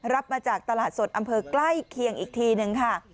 รับมาจากตลาดสดอำเภอใกล้เคียงอีกทีนึงค่ะ